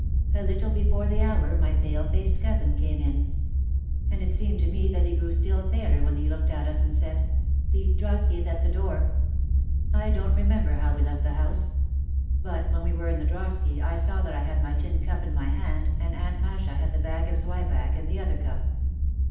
A little before the hour my pale faced cousin came in. And it seemed to me that he grew still paler when he looked at us and said, "The drosky is at the door." 52 OUT OF THE SHADOW I don't remember how we left the house. But when we were in the drosky I saw that I had my tin cup in my hand and Aunt Masha had the bag of zwieback and the other cup.